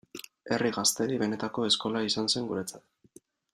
Herri Gaztedi benetako eskola izan zen guretzat.